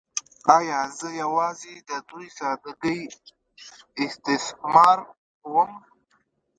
“ایا زه یوازې د دوی ساده ګۍ استثماروم؟